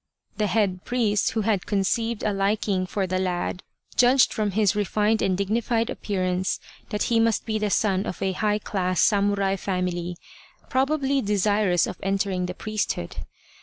The head priest, who had conceived a liking for the lad, judged from his refined and dignified appearance that he must be the son of a high class samurai family, probably desirous of entering the priesthood.